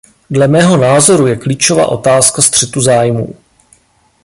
Dle mého názoru je klíčová otázka střetu zájmů.